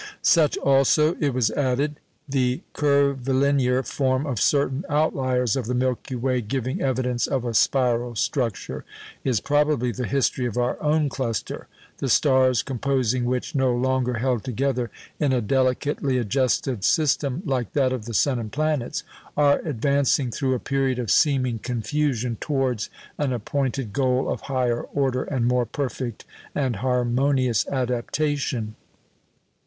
Such also, it was added (the curvilinear form of certain outliers of the Milky Way giving evidence of a spiral structure), is probably the history of our own cluster; the stars composing which, no longer held together in a delicately adjusted system like that of the sun and planets, are advancing through a period of seeming confusion towards an appointed goal of higher order and more perfect and harmonious adaptation.